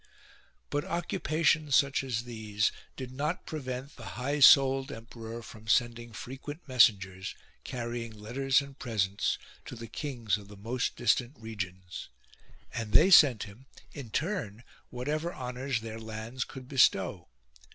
5. But occupations such as these did not prevent the high souled emperor from sending frequent mes sengers, carrying letters and presents, to the kings of the most distant regions ; and they .sent him in turn whatever honours their lands could bestow.